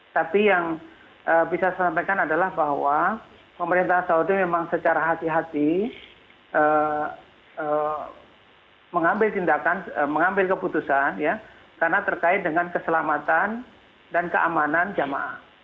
tapi yang bisa saya sampaikan adalah bahwa pemerintah saudi memang secara hati hati mengambil tindakan mengambil keputusan ya karena terkait dengan keselamatan dan keamanan jamaah